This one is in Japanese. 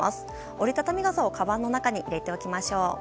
折り畳み傘をかばんの中に入れておきましょう。